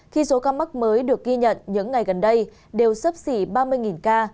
khi số ca mắc mới được ghi nhận những ngày gần đây đều sấp xỉ ba mươi ca